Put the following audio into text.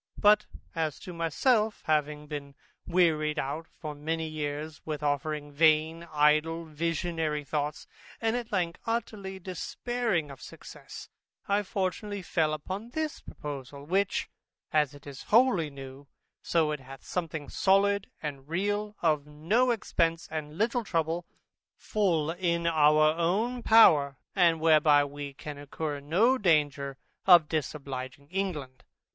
But, as to myself, having been wearied out for many years with offering vain, idle, visionary thoughts, and at length utterly despairing of success, I fortunately fell upon this proposal, which, as it is wholly new, so it hath something solid and real, of no expence and little trouble, full in our own power, and whereby we can incur no danger in disobliging England.